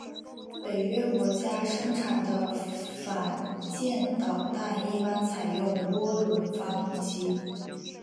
北约国家生产的反舰导弹一般采用涡轮发动机。